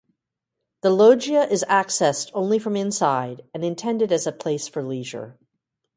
The loggia is accessed only from inside and intended as a place for leisure.